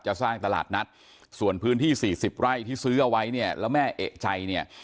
จะสร้างตลาดนัดส่วนพื้นที่สี่สิบไร่ที่ซื้อเอาไว้เนี่ยแล้วแม่เอกใจเนี่ย